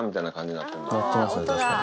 なってますね、確かに。